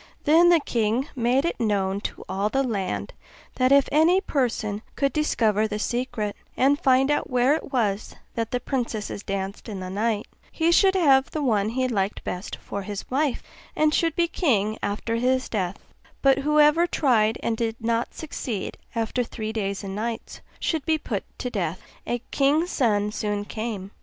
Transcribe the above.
Then the king made it known to all the land, that if any person could discover the secret, and find out where it was that the princesses danced in the night, he should have the one he liked best for his wife, and should be king after his death; but whoever tried and did not succeed, after three days and nights, should be put to death. A king's son soon came.